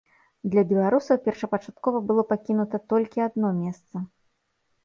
Для беларусаў першапачаткова было пакінута толькі адно месца.